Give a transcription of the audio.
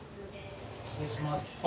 失礼します。